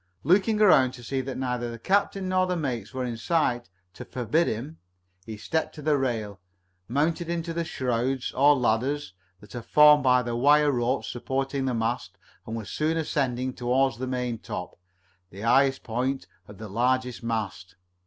Looking around to see that neither the captain nor the mates were in sight to forbid him, he stepped to the rail, mounted Into the shrouds, or ladders, that are formed by the wire ropes supporting the mast, and was soon ascending toward the maintop, the highest point of the largest mast.